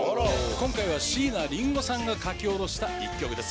今回は椎名林檎さんが書き下ろした一曲です。